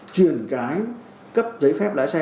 truyền cái cấp giấy phép lái xe